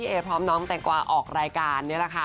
เอพร้อมน้องแตงกวาออกรายการนี่แหละค่ะ